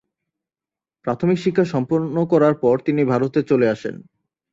প্রাথমিক শিক্ষা সম্পন্ন করার পর তিনি ভারতে চলে আসেন।